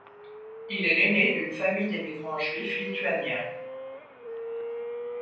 Il est l'aîné d'une famille d'émigrants juifs lituaniens.